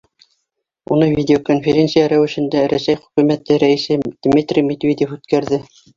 Уны видеоконференция рәүешендә Рәсәй Хөкүмәте Рәйесе Дмитрий Медведев үткәрҙе.